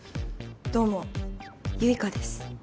どうも結花です。